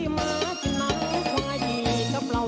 มากินน้ำของจีกับเรา